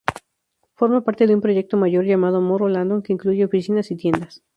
Forma parte de un proyecto mayor llamado More London, que incluye oficinas y tiendas.